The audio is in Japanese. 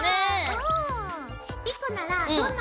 うん。